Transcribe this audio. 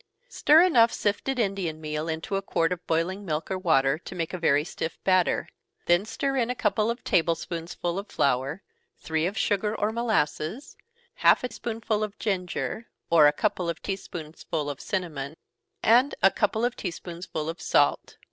_ Stir enough sifted Indian meal into a quart of boiling milk or water, to make a very stiff batter then stir in a couple of table spoonsful of flour, three of sugar or molasses, half a spoonful of ginger, or a couple of tea spoonsful of cinnamon, and a couple of tea spoonsful of salt.